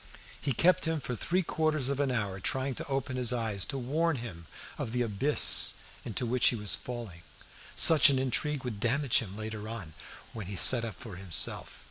He kept him for three quarters of an hour trying to open his eyes, to warn him of the abyss into which he was falling. Such an intrigue would damage him later on, when he set up for himself.